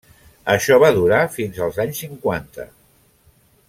Això va durar fins als anys cinquanta.